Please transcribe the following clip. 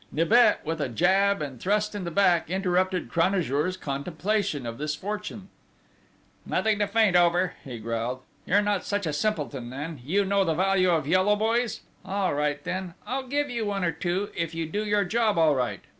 Nibet, with a jab and thrust in the back, interrupted Cranajour's contemplation of this fortune: "Nothing to faint over!" he growled. "You're not such a simpleton then! You know the value of yellow boys? All right, then, I'll give you one or two, if you do your job all right!